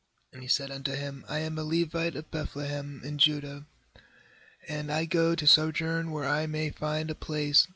And he said unto him: 'I am a Levite of Beth lehem in Judah, and I go to sojourn where I may find a place.'